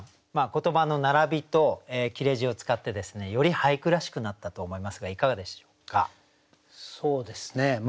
言葉の並びと切字を使ってより俳句らしくなったと思いますがいかがでしょうか？